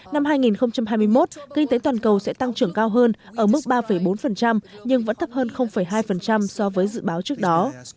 năm hai nghìn hai mươi một kinh tế toàn cầu sẽ tăng trưởng cao hơn ở mức ba bốn nhưng vẫn thấp hơn hai so với dự báo trước đó